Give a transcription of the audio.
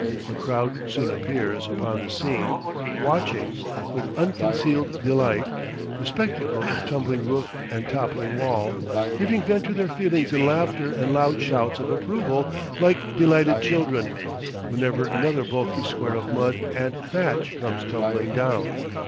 A crowd soon appears upon the scene, watching, with unconcealed delight, the spectacle of tumbling roof and toppling wall, giving vent to their feelings in laughter and loud shouts of approval, like delighted children, whenever another bulky square of mud and thatch comes tumbling down.